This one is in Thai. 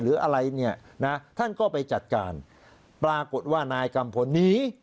หรืออะไรเนี่ยนะท่านก็ไปจัดการปรากฏว่านายกัมพลหนี